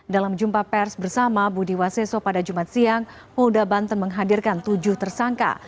dalam jumpa pers bersama budi waseso pada jumat siang polda banten menghadirkan tujuh tersangka